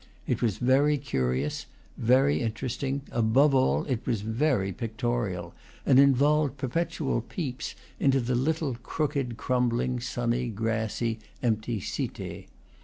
It was very curious, very interesting; above all, it was very pic torial, and involved perpetual peeps into the little crooked, crumbling, sunny, grassy, empty Cite.